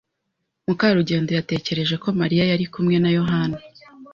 Mukarugendo yatekereje ko Mariya yari kumwe na Yohana.